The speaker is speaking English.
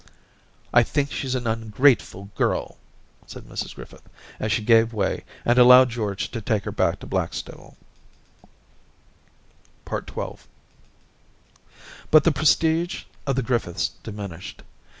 * I think she's an ungrateful girl,' said Mrs Grififith, as she gave way and allowed George to take her back to Blackstable. XII But the prestige of the Griffiths diminished.